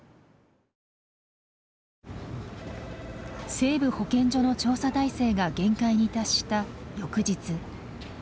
西部保健所の調査体制が限界に達した翌日。